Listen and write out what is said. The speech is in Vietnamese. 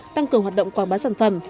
tăng cường hoạt động quảng bá sản phẩm